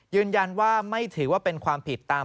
ยืนยันว่าไม่ถือว่าเป็นความผิดตาม